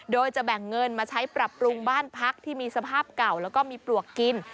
โดยจะแบ่งเงินมาใช้ปรับปรุงบ้านพักที่มีสภาพเก่าแล้วก็มีปลวกกิน